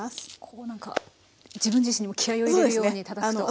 こう何か自分自身にも気合いを入れるようにたたくと。